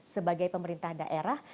sebagai pemerintah daerah